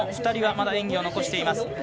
２人はまだ演技を残しています。